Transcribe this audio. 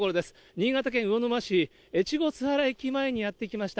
新潟県魚沼市越後須原駅前にやって来ました。